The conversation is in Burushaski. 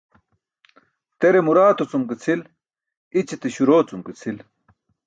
Tere muraato cum ke cʰil, i̇ćite śuroo cum ke cʰil.